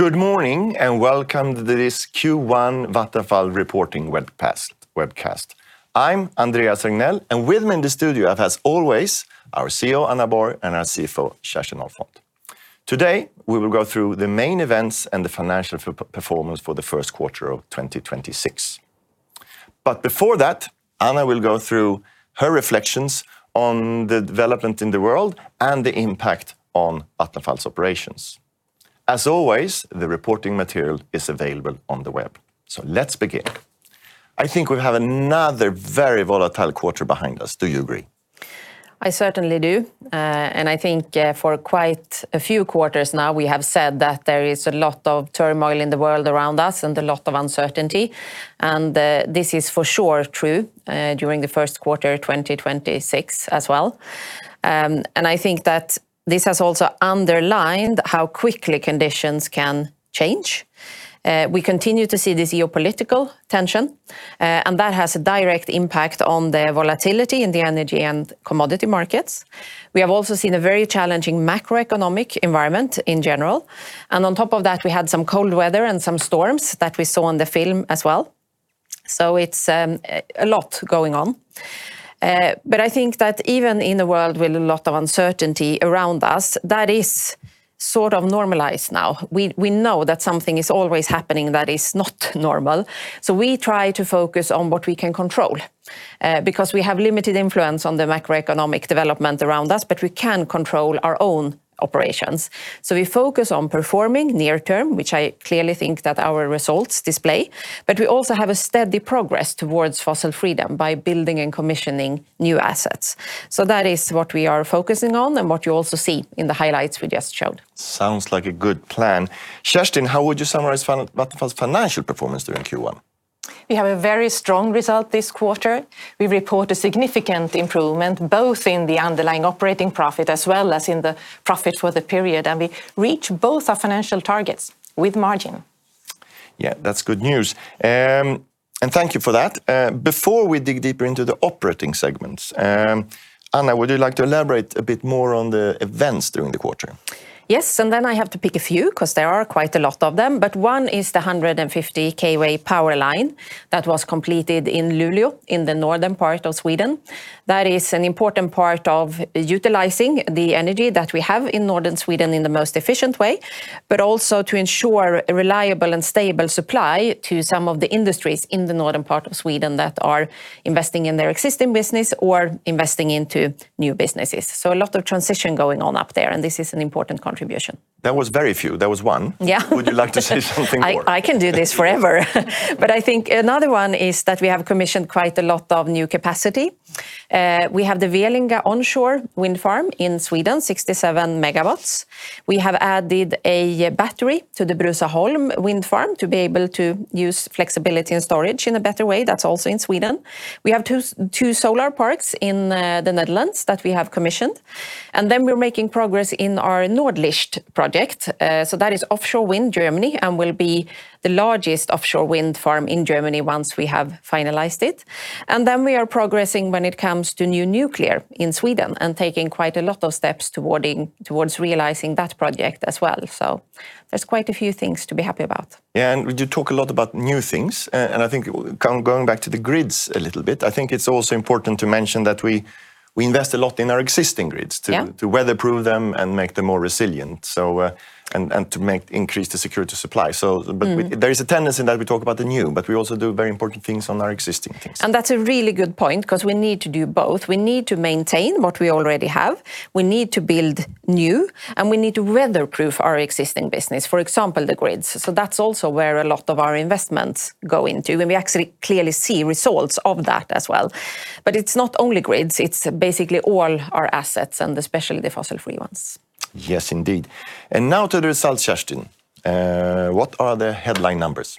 Good morning, and welcome to this Q1 Vattenfall reporting webcast. I'm Andreas Regnell. With me in the studio, as always, our CEO, Anna Borg, and our CFO, Kerstin Ahlfont. Today, we will go through the main events and the financial performance for the first quarter of 2026. Before that, Anna will go through her reflections on the development in the world and the impact on Vattenfall's operations. As always, the reporting material is available on the web. Let's begin. I think we have another very volatile quarter behind us. Do you agree? I certainly do. I think for quite a few quarters now we have said that there is a lot of turmoil in the world around us and a lot of uncertainty, and this is for sure true during the first quarter 2026 as well. I think that this has also underlined how quickly conditions can change. We continue to see this geopolitical tension, and that has a direct impact on the volatility in the energy and commodity markets. We have also seen a very challenging macroeconomic environment in general, and on top of that, we had some cold weather and some storms that we saw on the film as well. It's a lot going on. I think that even in the world with a lot of uncertainty around us, that is sort of normalized now. We know that something is always happening that is not normal, we try to focus on what we can control, because we have limited influence on the macroeconomic development around us, but we can control our own operations. We focus on performing near-term, which I clearly think that our results display, but we also have a steady progress towards fossil freedom by building and commissioning new assets. That is what we are focusing on and what you also see in the highlights we just showed. Sounds like a good plan. Kerstin, how would you summarize Vattenfall's financial performance during Q1? We have a very strong result this quarter. We report a significant improvement both in the underlying operating profit as well as in the profit for the period, and we reach both our financial targets with margin. Yeah, that's good news. Thank you for that. Before we dig deeper into the operating segments, Anna, would you like to elaborate a bit more on the events during the quarter? I have to pick a few ’cause there are quite a lot of them, but one is the 150 kV power line that was completed in Luleå in the northern part of Sweden. That is an important part of utilizing the energy that we have in northern Sweden in the most efficient way, but also to ensure a reliable and stable supply to some of the industries in the northern part of Sweden that are investing in their existing business or investing into new businesses. A lot of transition going on up there, and this is an important contribution. That was very few. That was one. Yeah. Would you like to say something more? I can do this forever. I think another one is that we have commissioned quite a lot of new capacity. We have the Velinga onshore wind farm in Sweden, 67 MW. We have added a battery to the Bruzaholm wind farm to be able to use flexibility and storage in a better way. That's also in Sweden. We have two solar parks in the Netherlands that we have commissioned, then we're making progress in our Nordlicht project. That is offshore wind in Germany and will be the largest offshore wind farm in Germany once we have finalized it. We are progressing when it comes to new nuclear in Sweden and taking quite a lot of steps towards realizing that project as well. There's quite a few things to be happy about. Yeah, you talk a lot about new things, I think going back to the grids a little bit, I think it's also important to mention that we invest a lot in our existing grids. Yeah... to weather-proof them and make them more resilient, and to increase the security of supply. Mm There is a tendency that we talk about the new, but we also do very important things on our existing things. That's a really good point 'cause we need to do both. We need to maintain what we already have, we need to build new, and we need to weatherproof our existing business, for example, the grids. That's also where a lot of our investments go into, and we actually clearly see results of that as well. It's not only grids, it's basically all our assets and especially the fossil-free ones. Yes, indeed. Now to the results, Kerstin. What are the headline numbers?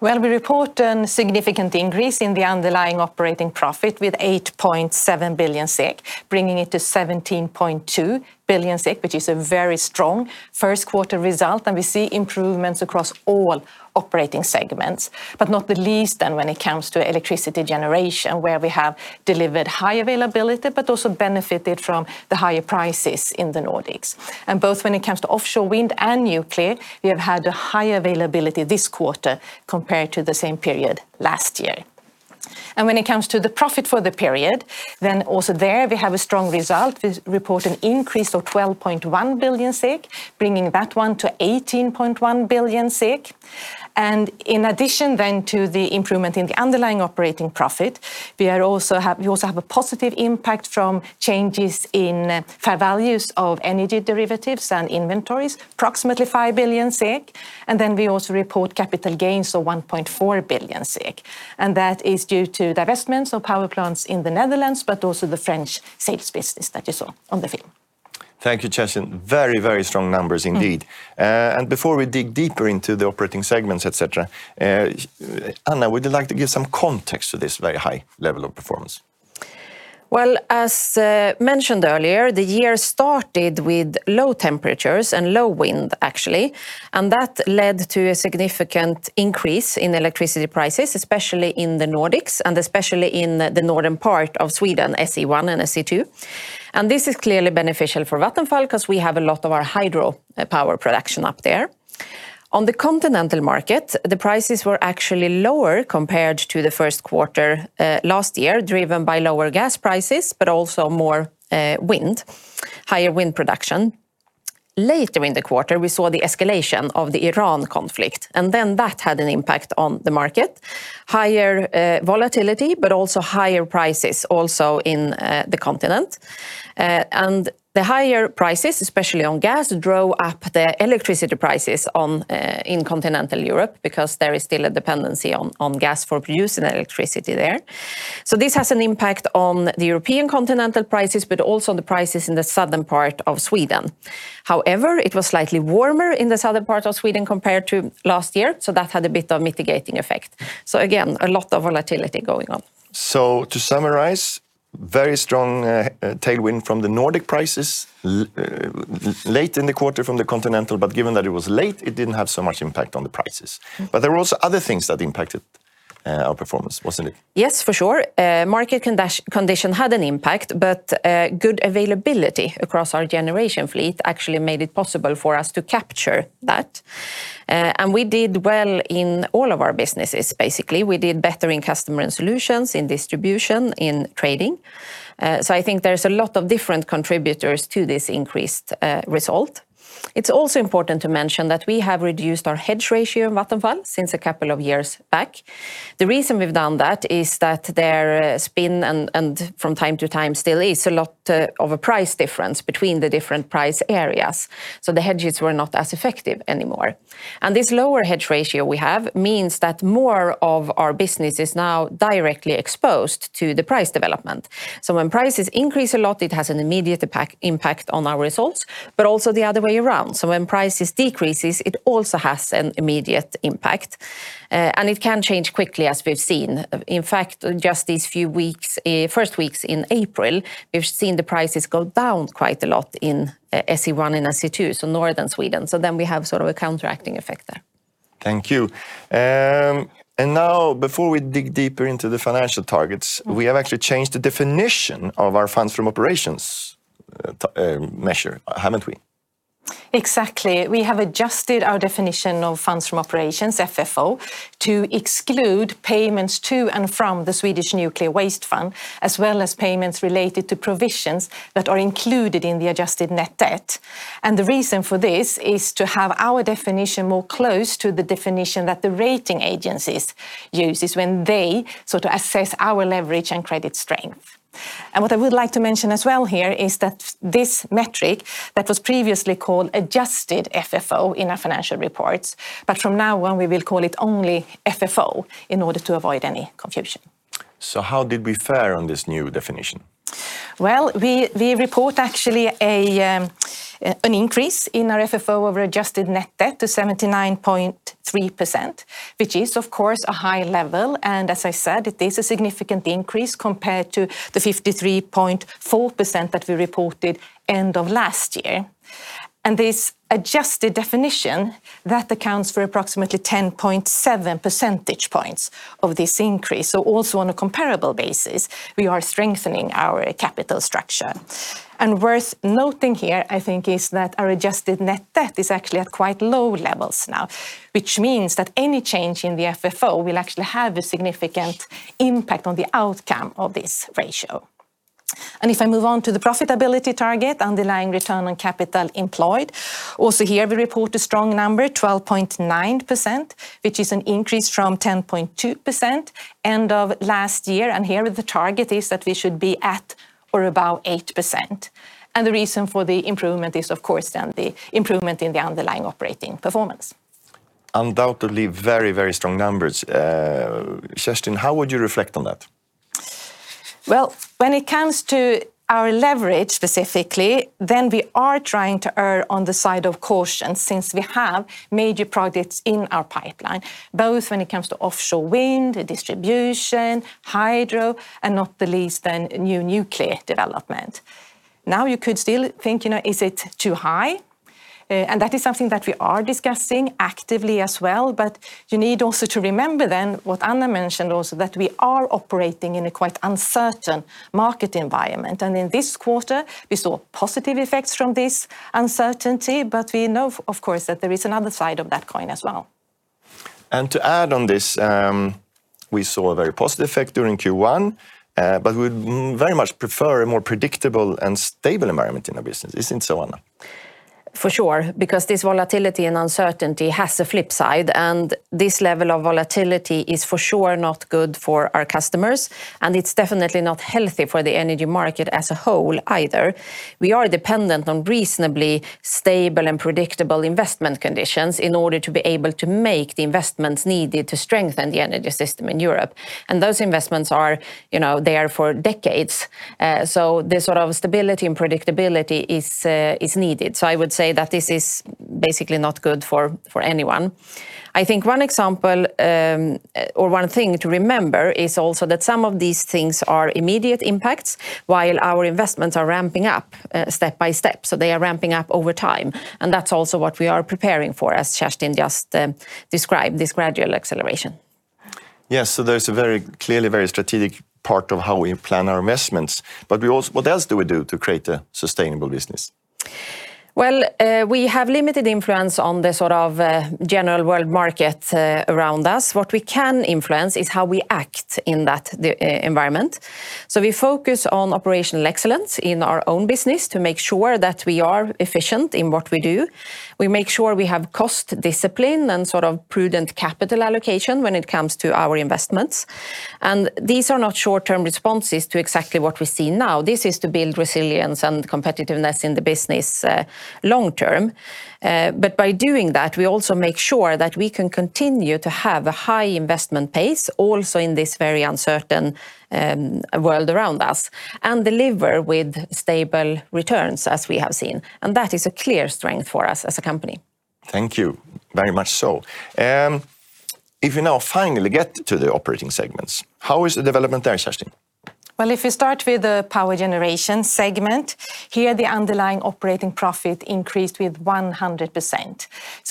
Well, we report a significant increase in the underlying operating profit with 8.7 billion SEK, bringing it to 17.2 billion SEK, which is a very strong first quarter result. We see improvements across all operating segments, but not the least when it comes to electricity generation where we have delivered high availability but also benefited from the higher prices in the Nordics. Both when it comes to offshore wind and nuclear, we have had a high availability this quarter compared to the same period last year. When it comes to the profit for the period, then also there we have a strong result. We report an increase of 12.1 billion SEK, bringing it to 18.1 billion SEK. In addition then to the improvement in the underlying operating profit, we also have... we also have a positive impact from changes in fair values of energy derivatives and inventories, approximately 5 billion SEK, and then we also report capital gains of 1.4 billion SEK, and that is due to divestments of power plants in the Netherlands but also the French sales business that you saw on the film. Thank you, Kerstin. Very, very strong numbers indeed. Mm. Before we dig deeper into the operating segments, et cetera, Anna, would you like to give some context to this very high level of performance? Well, as mentioned earlier, the year started with low temperatures and low wind actually. That led to a significant increase in electricity prices, especially in the Nordics and especially in the northern part of Sweden, SE1 and SE2. This is clearly beneficial for Vattenfall 'cause we have a lot of our hydro power production up there. On the continental market, the prices were actually lower compared to the first quarter last year, driven by lower gas prices, but also more wind, higher wind production. Later in the quarter, we saw the escalation of the Iran conflict, and then that had an impact on the market. Higher volatility, but also higher prices also in the continent. The higher prices, especially on gas, drove up the electricity prices in continental Europe because there is still a dependency on gas for producing electricity there. This has an impact on the European continental prices, but also the prices in the southern part of Sweden. However, it was slightly warmer in the southern part of Sweden compared to last year, so that had a bit of mitigating effect. Again, a lot of volatility going on. To summarize, very strong, tailwind from the Nordic prices late in the quarter from the continental, but given that it was late, it didn't have so much impact on the prices. There were also other things that impacted, our performance, wasn't it? Yes, for sure. Market condition had an impact, good availability across our generation fleet actually made it possible for us to capture that. We did well in all of our businesses, basically. We did better in Customers & Solutions, in Distribution, in trading. I think there's a lot of different contributors to this increased result. It's also important to mention that we have reduced our hedge ratio in Vattenfall since a couple of years back. The reason we've done that is that there has been and from time to time still is a lot of a price difference between the different price areas, the hedges were not as effective anymore. This lower hedge ratio we have means that more of our business is now directly exposed to the price development. When prices increase a lot, it has an immediate impact on our results, but also the other way around. When prices decrease, it also has an immediate impact, and it can change quickly, as we've seen. In fact, just these few weeks, first weeks in April, we've seen the prices go down quite a lot in SE1 and SE2, so northern Sweden. We have sort of a counteracting effect there. Thank you. Now before we dig deeper into the financial targets, we have actually changed the definition of our funds from operations measure, haven't we? Exactly. We have adjusted our definition of funds from operations, FFO, to exclude payments to and from the Swedish Nuclear Waste Fund, as well as payments related to provisions that are included in the adjusted net debt. The reason for this is to have our definition more close to the definition that the rating agencies use when they sort of assess our leverage and credit strength. What I would like to mention as well here is that this metric that was previously called adjusted FFO in our financial reports, but from now on, we will call it only FFO in order to avoid any confusion. How did we fare on this new definition? Well, we report actually an increase in our FFO over adjusted net debt to 79.3%, which is of course a high level, and as I said, it is a significant increase compared to the 53.4% that we reported end of last year. This adjusted definition, that accounts for approximately 10.7 percentage points of this increase. Also on a comparable basis, we are strengthening our capital structure. Worth noting here, I think, is that our adjusted net debt is actually at quite low levels now, which means that any change in the FFO will actually have a significant impact on the outcome of this ratio. If I move on to the profitability target, underlying return on capital employed, also here we report a strong number, 12.9%, which is an increase from 10.2% end of last year. Here the target is that we should be at or above 8%. The reason for the improvement is of course then the improvement in the underlying operating performance. Undoubtedly very, very strong numbers. Kerstin, how would you reflect on that? When it comes to our leverage specifically, we are trying to err on the side of caution since we have major projects in our pipeline, both when it comes to offshore wind, distribution, hydro, and not the least new nuclear development. You could still think, you know, is it too high? That is something that we are discussing actively as well, you need also to remember what Anna mentioned also, that we are operating in a quite uncertain market environment. In this quarter, we saw positive effects from this uncertainty, we know of course that there is another side of that coin as well. To add on this, we saw a very positive effect during Q1, but we would very much prefer a more predictable and stable environment in our business, isn't so, Anna? For sure. This volatility and uncertainty has a flip side. This level of volatility is for sure not good for our customers. It's definitely not healthy for the energy market as a whole either. We are dependent on reasonably stable and predictable investment conditions in order to be able to make the investments needed to strengthen the energy system in Europe. Those investments are, you know, there for decades. This sort of stability and predictability is needed. I would say that this is basically not good for anyone. I think 1 example, or 1 thing to remember is also that some of these things are immediate impacts while our investments are ramping up, step by step. They are ramping up over time, and that's also what we are preparing for, as Kerstin just described, this gradual acceleration. Yes. There's a very clearly very strategic part of how we plan our investments, what else do we do to create a sustainable business? We have limited influence on the sort of general world market around us. What we can influence is how we act in that environment. We focus on operational excellence in our own business to make sure that we are efficient in what we do. We make sure we have cost discipline and sort of prudent capital allocation when it comes to our investments. These are not short-term responses to exactly what we see now. This is to build resilience and competitiveness in the business long-term. By doing that, we also make sure that we can continue to have a high investment pace also in this very uncertain world around us and deliver with stable returns as we have seen. That is a clear strength for us as a company. Thank you very much. If you now finally get to the operating segments, how is the development there, Kerstin? Well, if you start with the Power Generation segment, here the underlying operating profit increased with 100%.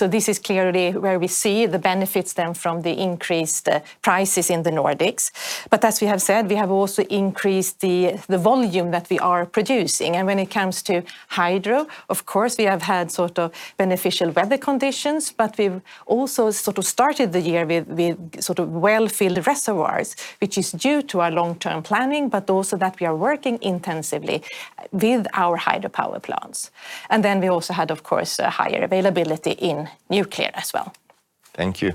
This is clearly where we see the benefits then from the increased prices in the Nordics. As we have said, we have also increased the volume that we are producing. When it comes to hydro, of course, we have had sort of beneficial weather conditions, but we've also sort of started the year with sort of well-filled reservoirs, which is due to our long-term planning, but also that we are working intensively with our hydropower plants. We also had, of course, a higher availability in nuclear as well. Thank you.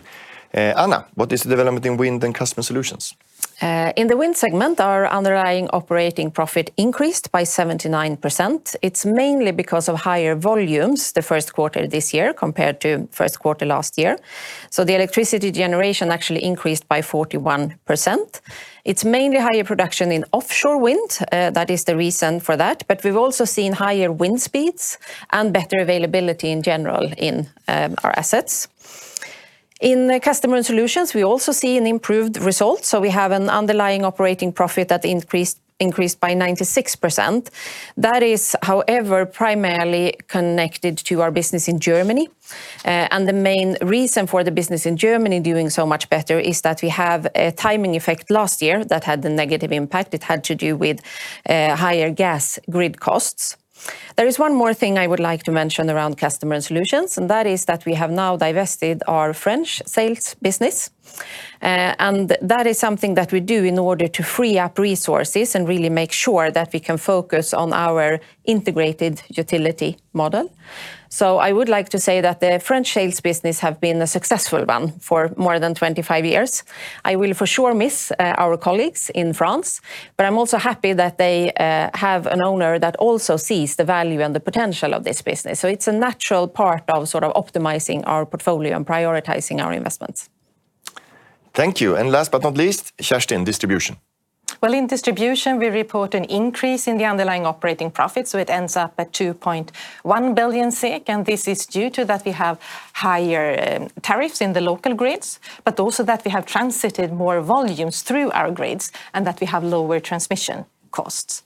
Anna, what is the development in Wind and Customers & Solutions? In the Wind segment, our underlying operating profit increased by 79%. It's mainly because of higher volumes the first quarter this year compared to first quarter last year. The electricity generation actually increased by 41%. It's mainly higher production in offshore wind, that is the reason for that. We've also seen higher wind speeds and better availability in general in our assets. In the Customers & Solutions, we also see an improved result, so we have an underlying operating profit that increased by 96%. That is, however, primarily connected to our business in Germany. The main reason for the business in Germany doing so much better is that we have a timing effect last year that had a negative impact. It had to do with, higher gas grid costs. There is one more thing I would like to mention around Customers & Solutions, and that is that we have now divested our French sales business. That is something that we do in order to free up resources and really make sure that we can focus on our integrated utility model. I would like to say that the French sales business have been a successful one for more than 25 years. I will for sure miss our colleagues in France, but I'm also happy that they have an owner that also sees the value and the potential of this business. It's a natural part of sort of optimizing our portfolio and prioritizing our investments. Thank you. Last but not least, Kerstin, Distribution. Well, in Distribution, we report an increase in the underlying operating profits, so it ends up at 2.1 billion SEK, and this is due to that we have higher tariffs in the local grids, but also that we have transited more volumes through our grids and that we have lower transmission costs.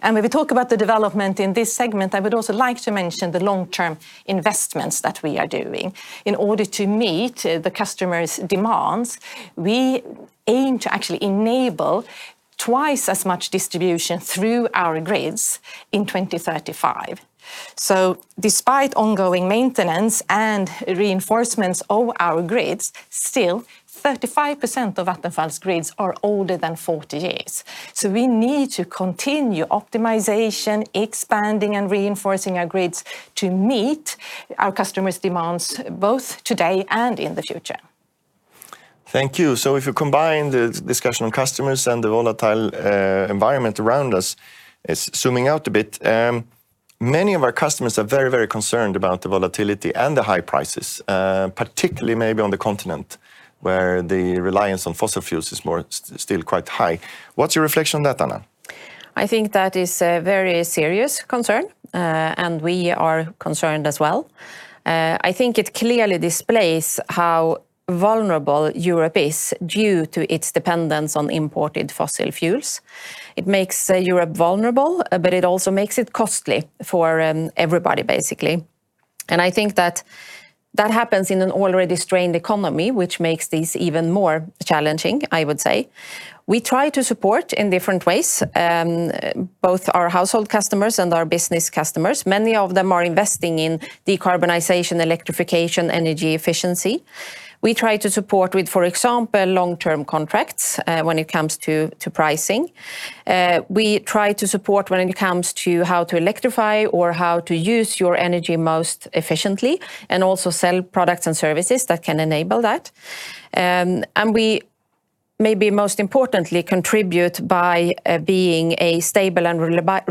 When we talk about the development in this segment, I would also like to mention the long-term investments that we are doing. In order to meet the customers' demands, we aim to actually enable twice as much distribution through our grids in 2035. Despite ongoing maintenance and reinforcements of our grids, still 35% of Vattenfall's grids are older than 40 years. We need to continue optimization, expanding, and reinforcing our grids to meet our customers' demands both today and in the future. Thank you. If you combine the discussion on customers and the volatile environment around us, it is zooming out a bit, many of our customers are very, very concerned about the volatility and the high prices, particularly maybe on the continent, where the reliance on fossil fuels is still quite high. What is your reflection on that, Anna? I think that is a very serious concern, and we are concerned as well. I think it clearly displays how vulnerable Europe is due to its dependence on imported fossil fuels. It makes Europe vulnerable, but it also makes it costly for everybody, basically. I think that that happens in an already strained economy, which makes this even more challenging, I would say. We try to support in different ways, both our household customers and our business customers. Many of them are investing in decarbonization, electrification, energy efficiency. We try to support with, for example, long-term contracts, when it comes to pricing. We try to support when it comes to how to electrify or how to use your energy most efficiently and also sell products and services that can enable that. We maybe most importantly contribute by being a stable and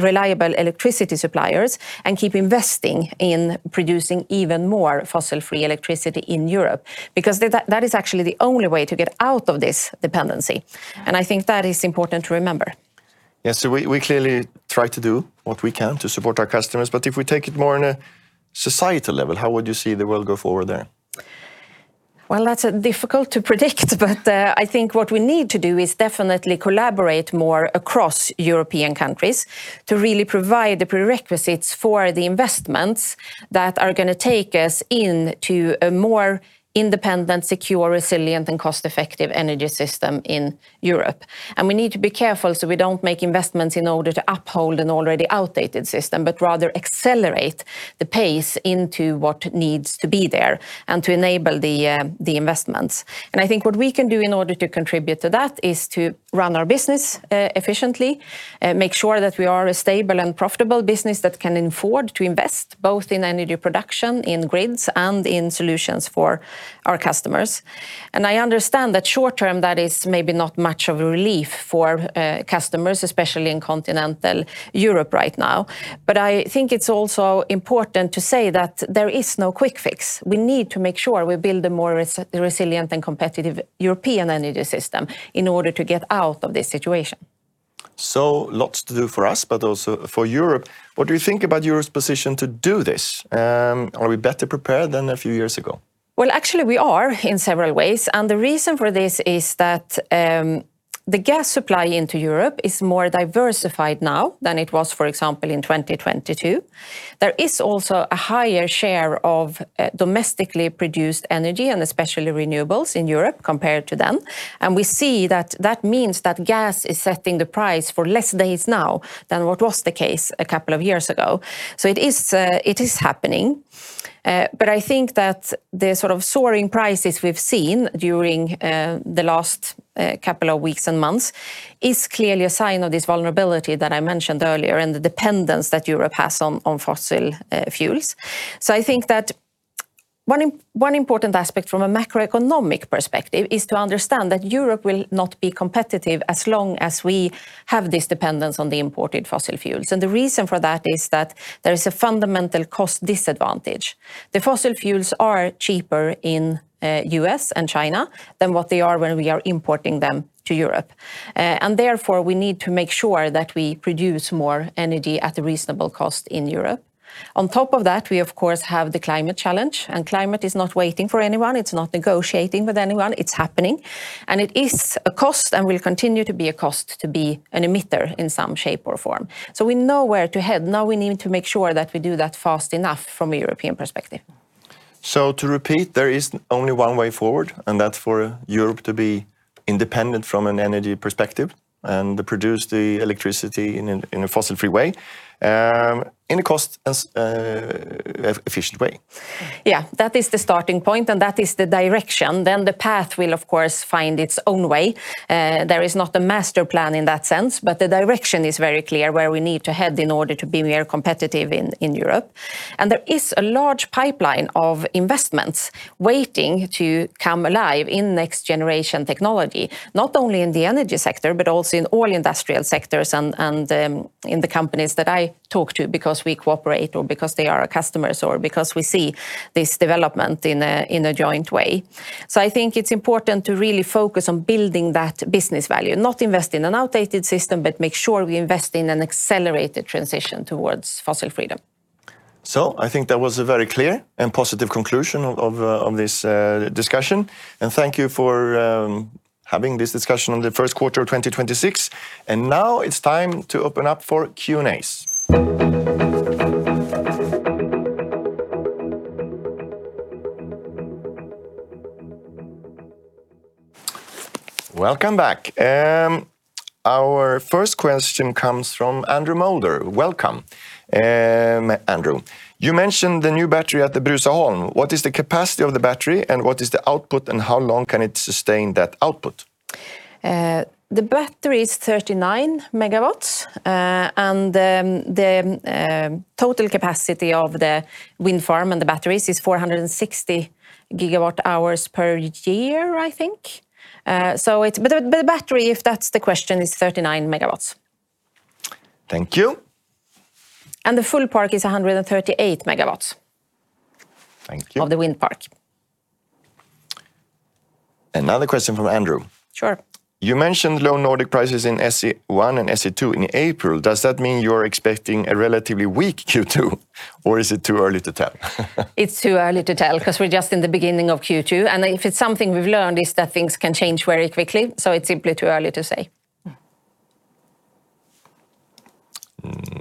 reliable electricity suppliers and keep investing in producing even more fossil-free electricity in Europe because that is actually the only way to get out of this dependency, and I think that is important to remember. Yes. We clearly try to do what we can to support our customers. If we take it more on a societal level, how would you see the world go forward there? Well, that's difficult to predict, but I think what we need to do is definitely collaborate more across European countries to really provide the prerequisites for the investments that are gonna take us into a more independent, secure, resilient, and cost-effective energy system in Europe. We need to be careful so we don't make investments in order to uphold an already outdated system, but rather accelerate the pace into what needs to be there and to enable the investments. I think what we can do in order to contribute to that is to run our business efficiently, make sure that we are a stable and profitable business that can afford to invest both in energy production, in grids, and in solutions for our customers. I understand that short term that is maybe not much of a relief for customers, especially in continental Europe right now, but I think it's also important to say that there is no quick fix. We need to make sure we build a more resilient and competitive European energy system in order to get out of this situation. Lots to do for us, but also for Europe. What do you think about Europe's position to do this? Are we better prepared than a few years ago? Well, actually, we are in several ways. The reason for this is that the gas supply into Europe is more diversified now than it was, for example, in 2022. There is also a higher share of domestically produced energy, especially renewables in Europe compared to them. We see that that means that gas is setting the price for less days now than what was the case a couple of years ago. It is happening, but I think that the sort of soaring prices we've seen during the last couple of weeks and months is clearly a sign of this vulnerability that I mentioned earlier and the dependence that Europe has on fossil fuels. I think that one important aspect from a macroeconomic perspective is to understand that Europe will not be competitive as long as we have this dependence on the imported fossil fuels, and the reason for that is that there is a fundamental cost disadvantage. The fossil fuels are cheaper in U.S. and China than what they are when we are importing them to Europe. Therefore, we need to make sure that we produce more energy at a reasonable cost in Europe. On top of that, we of course have the climate challenge, and climate is not waiting for anyone. It's not negotiating with anyone. It's happening, and it is a cost and will continue to be a cost to be an emitter in some shape or form. We know where to head. Now we need to make sure that we do that fast enough from a European perspective. To repeat, there is only one way forward, and that's for Europe to be independent from an energy perspective and to produce the electricity in a fossil-free way, in a cost-efficient way. Yeah. That is the starting point, and that is the direction. The path will, of course, find its own way. There is not a master plan in that sense, but the direction is very clear where we need to head in order to be more competitive in Europe. There is a large pipeline of investments waiting to come alive in next-generation technology, not only in the energy sector but also in all industrial sectors and in the companies that I talk to because we cooperate or because they are our customers or because we see this development in a joint way. I think it's important to really focus on building that business value, not invest in an outdated system, but make sure we invest in an accelerated transition towards fossil freedom. I think that was a very clear and positive conclusion of this discussion, and thank you for having this discussion on the first quarter of 2026. Now it's time to open up for Q&As. Welcome back. Our first question comes from Andrew Mulder. Welcome, Andrew. You mentioned the new battery at the Bruzaholm. What is the capacity of the battery, and what is the output, and how long can it sustain that output? The battery is 39 megawatts. The total capacity of the wind farm and the batteries is 460 gigawatt hours per year, I think. The battery, if that's the question, is 39 megawatts. Thank you. The full park is 138 MW. Thank you.... of the wind park. Another question from Andrew. Sure. You mentioned low Nordic prices in SE1 and SE2 in April. Does that mean you're expecting a relatively weak Q2, or is it too early to tell? It's too early to tell 'cause we're just in the beginning of Q2. If it's something we've learned, it's that things can change very quickly. It's simply too early to say.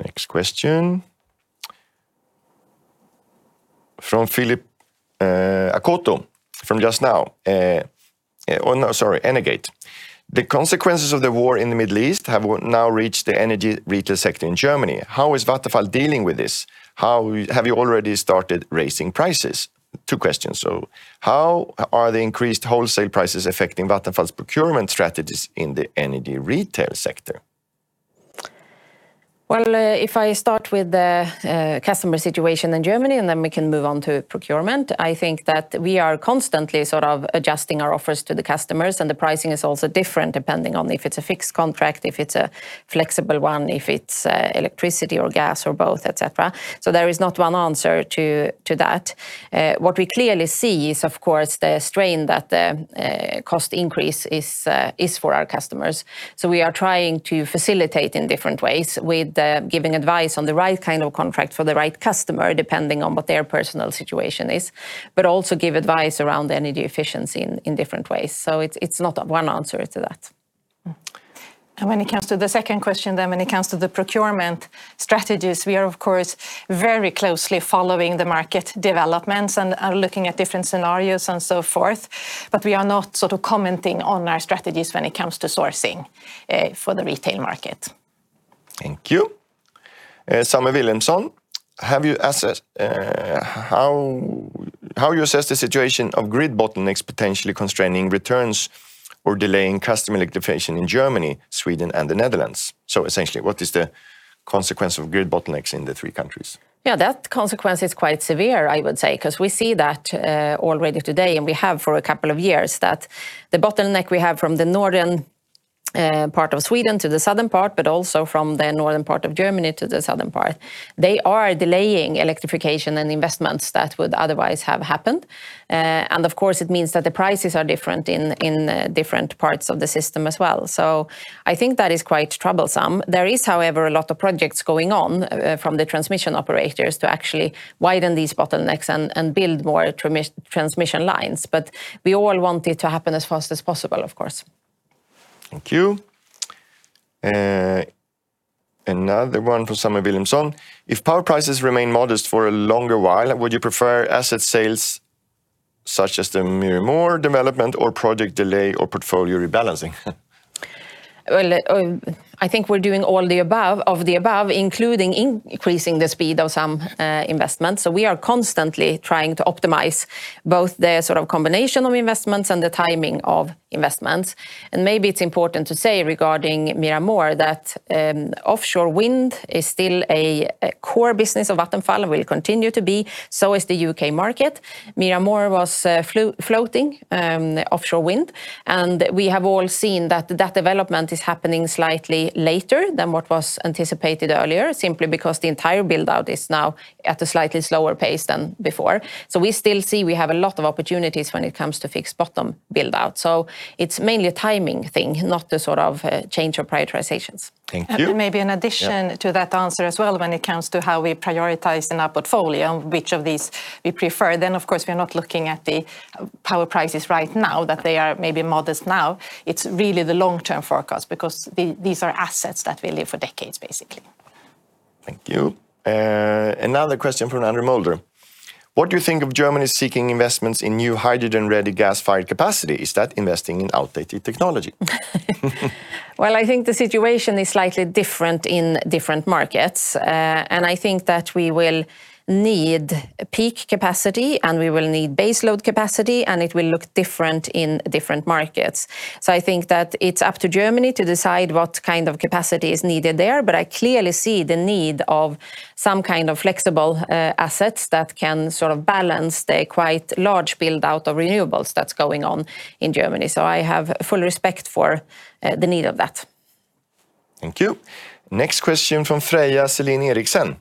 Next question from Philip Akoto from just now. Oh, no, sorry, energate. The consequences of the war in the Middle East have now reached the energy retail sector in Germany. How is Vattenfall dealing with this? How have you already started raising prices? Two questions. How are the increased wholesale prices affecting Vattenfall's procurement strategies in the energy retail sector? If I start with the customer situation in Germany, then we can move on to procurement. I think that we are constantly sort of adjusting our offers to the customers, and the pricing is also different depending on if it's a fixed contract, if it's a flexible one, if it's electricity or gas or both, et cetera. There is not one answer to that. What we clearly see is, of course, the strain that the cost increase is for our customers. We are trying to facilitate in different ways with giving advice on the right kind of contract for the right customer depending on what their personal situation is but also give advice around energy efficiency in different ways. It's not one answer to that. When it comes to the second question then, when it comes to the procurement strategies, we are of course very closely following the market developments and are looking at different scenarios and so forth. We are not sort of commenting on our strategies when it comes to sourcing for the retail market. Thank you. Summer Williamson, have you assessed how you assess the situation of grid bottlenecks potentially constraining returns or delaying customer electrification in Germany, Sweden, and the Netherlands? Essentially, what is the consequence of grid bottlenecks in the three countries? That consequence is quite severe, I would say, 'cause we see that, already today, and we have for a couple of years that the bottleneck we have from the northern part of Sweden to the southern part, but also from the northern part of Germany to the southern part, they are delaying electrification and investments that would otherwise have happened. Of course, it means that the prices are different in different parts of the system as well. I think that is quite troublesome. There is, however, a lot of projects going on from the transmission operators to actually widen these bottlenecks and build more transmission lines. We all want it to happen as fast as possible, of course. Thank you. Another one from Summer Williamson. If power prices remain modest for a longer while, would you prefer asset sales such as the Muir Mhòr development or project delay or portfolio rebalancing? Well, I think we're doing all the above, of the above, including increasing the speed of some investments. We are constantly trying to optimize both the sort of combination of investments and the timing of investments. Maybe it's important to say regarding Muir Mhòr that offshore wind is still a core business of Vattenfall and will continue to be, so is the U.K. market. Muir Mhòr was floating offshore wind, we have all seen that that development is happening slightly later than what was anticipated earlier, simply because the entire build-out is now at a slightly slower pace than before. We still see we have a lot of opportunities when it comes to fixed bottom build-out. It's mainly a timing thing, not the sort of change of prioritizations. Thank you. And maybe an addition- Yeah... to that answer as well when it comes to how we prioritize in our portfolio and which of these we prefer. Of course we are not looking at the power prices right now, that they are maybe modest now. It's really the long-term forecast because these are assets that will live for decades, basically. Thank you. Another question from Andrew Mulder. What do you think of Germany seeking investments in new hydrogen-ready gas-fired capacity? Is that investing in outdated technology? Well, I think the situation is slightly different in different markets. I think that we will need peak capacity, we will need base load capacity, it will look different in different markets. I think that it's up to Germany to decide what kind of capacity is needed there, but I clearly see the need of some kind of flexible assets that can sort of balance the quite large build-out of renewables that's going on in Germany. I have full respect for, the need of that. Thank you. Next question from Freya Selene Erickson.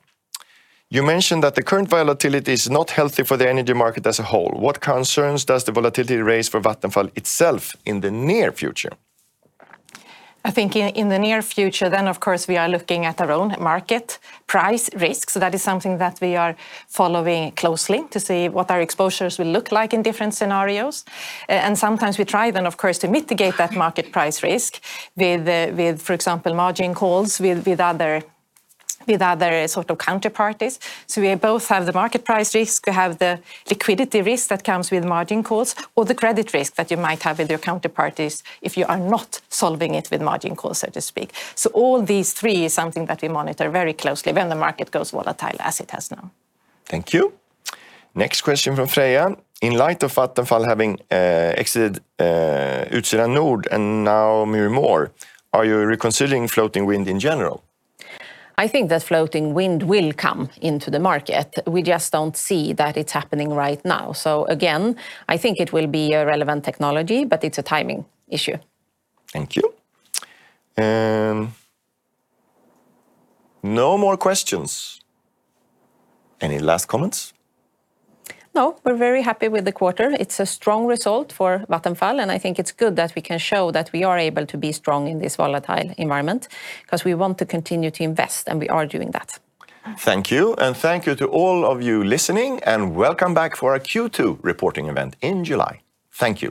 You mentioned that the current volatility is not healthy for the energy market as a whole. What concerns does the volatility raise for Vattenfall itself in the near future? I think in the near future, then, of course, we are looking at our own market price risks. That is something that we are following closely to see what our exposures will look like in different scenarios. And sometimes we try then, of course, to mitigate that market price risk with, for example, margin calls with other sort of counterparties. We both have the market price risk, we have the liquidity risk that comes with margin calls, or the credit risk that you might have with your counterparties if you are not solving it with margin calls, so to speak. All these three is something that we monitor very closely when the market goes volatile as it has now. Thank you. Next question from Freya. In light of Vattenfall having exited Utsira Nord and now Muir Mhòr, are you reconsidering floating wind in general? I think that floating wind will come into the market. We just don't see that it's happening right now. Again, I think it will be a relevant technology, but it's a timing issue. Thank you. No more questions. Any last comments? No, we're very happy with the quarter. It's a strong result for Vattenfall, and I think it's good that we can show that we are able to be strong in this volatile environment 'cause we want to continue to invest, and we are doing that. Thank you. Thank you to all of you listening, and welcome back for our Q2 reporting event in July. Thank you.